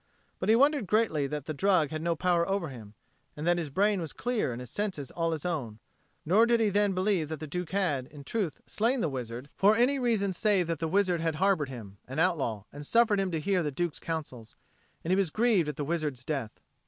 But he wondered greatly that the drug had no power over him, and that his brain was clear and his senses all his own; nor did he then believe that the Duke had, in truth, slain the wizard for any reason save that the wizard had harboured him, an outlaw, and suffered him to hear the Duke's counsels: and he was grieved at the wizard's death.